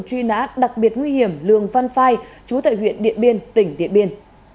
truy nã đặc biệt nguy hiểm lường văn phai chú tại huyện điện biên tỉnh điện biên